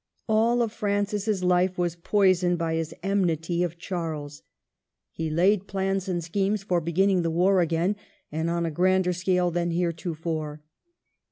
All of Francis's life was poisoned by his en mity of Charles. He laid plans and schemes DEATH OF THE KING. 287 for beginning the war again, and on a grander scale than heretofore.